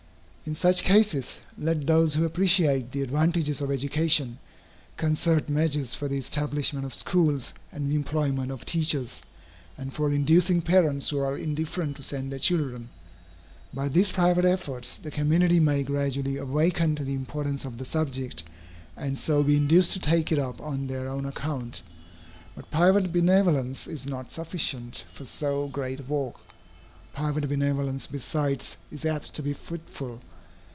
In such cases, let those who appreciate the advantages of education, concert measures for the establishment of schools and the employment of teachers, and for inducing parents who are indifferent to send their children. By these private efforts, the community may be gradually awakened to the importance of the subject, and so be induced to take it up on their own account. But private benevolence is not sufficient for so great a work. Private benevolence besides is apt to be fitful.